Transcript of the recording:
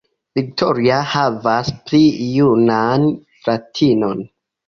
Victoria havas pli junan fratinon.